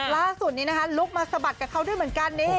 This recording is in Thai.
ล่าสุดนี้นะคะลุกมาสะบัดกับเขาด้วยเหมือนกันนี่